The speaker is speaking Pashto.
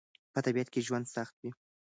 په تبعيد کې ژوند سخت و.